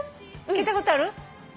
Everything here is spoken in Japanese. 聞いたことある？